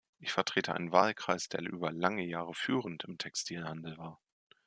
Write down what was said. Ich vertrete einen Wahlkreis, der über lange Jahre führend im Textilhandel war.